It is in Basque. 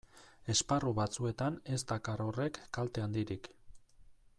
Esparru batzuetan ez dakar horrek kalte handirik.